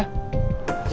kalian juga ya